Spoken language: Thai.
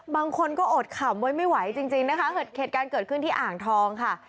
บางคนก็อดขำไว้ไม่ไหวจริงนะคะเหตุการณ์เกิดขึ้นที่อ่างทองค่ะ